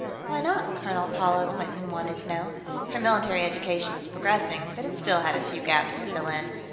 "Why not?" Colonel Paula Quinton wanted to know. Her military education was progressing, but it still had a few gaps to fill in.